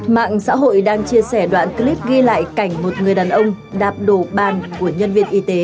mạng xã hội đang chia sẻ đoạn clip ghi lại cảnh một người đàn ông đạp đổ bàn của nhân viên y tế